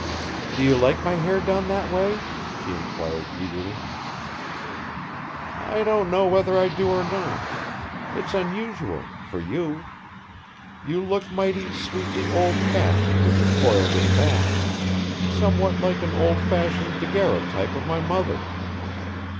"Do you like my hair done that way?" she inquired eagerly. "I don't know whether I do or not. It's unusual for you. You look mighty sweetly old fashioned with it coiled in back somewhat like an old fashioned daguerreotype of my mother.